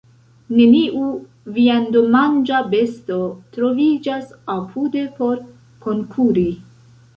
Neniu viandomanĝa besto troviĝas apude por konkuri.